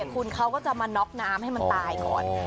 คุณเขาก็จะมาน็อกน้ำให้มันตายก่อน